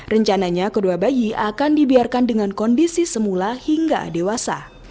rencananya kedua bayi akan dibiarkan dengan kondisi semula hingga dewasa